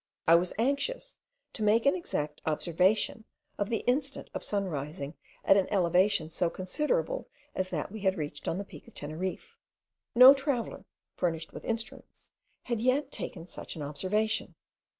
I was anxious to make an exact observation of the instant of sun rising at an elevation so considerable as that we had reached on the peak of Teneriffe. No traveller, furnished with instruments, had as yet taken such an observation.